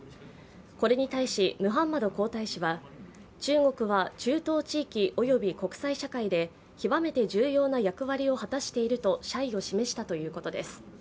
これに対しムハンマド皇太子は、中国は中東地域および国際社会で極めて重要な役割を果たしていると謝意を示したということです。